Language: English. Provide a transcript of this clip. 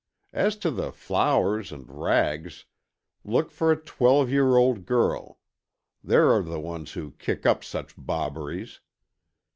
As to the flowers and rags, look for a twelve year old girl.... There are the ones who kick up such bobberies.